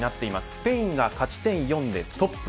スペインが勝ち点４でトップ。